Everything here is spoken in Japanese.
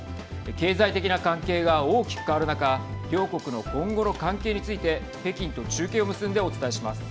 経済的な関係が大きく変わる中両国の今後の関係について北京と中継を結んでお伝えします。